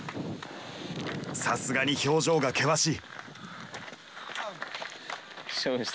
さすがに表情が険しい。